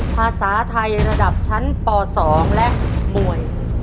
ภาษาไทยระดับชั้นป๒และมวย